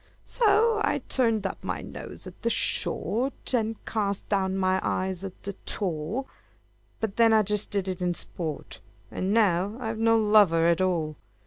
So I turned up my nose at the short, And cast down my eyes at the tall; But then I just did it in sport And now I've no lover at all!